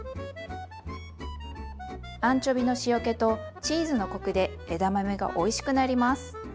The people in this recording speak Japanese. アンチョビの塩気とチーズのコクで枝豆がおいしくなります。